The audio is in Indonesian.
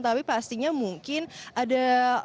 tapi pastinya mungkin ada